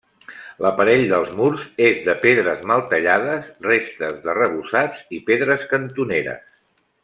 L'aparell dels murs és de pedres mal tallades, restes d'arrebossats i pedres cantoneres.